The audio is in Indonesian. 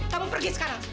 kamu pergi sekarang